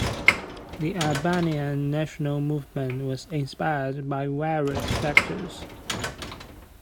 The Albanian national movement was inspired by various factors.